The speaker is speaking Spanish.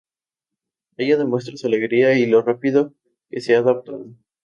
Ella demuestra su alegría y lo rápido que se ha adaptado.